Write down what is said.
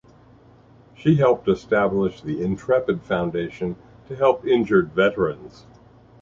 She helped establish the Intrepid Foundation to help injured veterans.